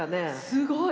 すごい！